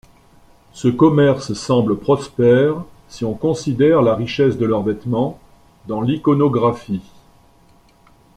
Ce commerce semble prospère si on considère la richesse de leurs vêtements, dans l’iconographie.